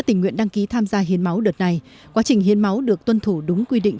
tình nguyện đăng ký tham gia hiến máu đợt này quá trình hiến máu được tuân thủ đúng quy định